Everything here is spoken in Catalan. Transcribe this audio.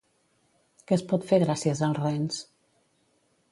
Què es pot fer gràcies als rens?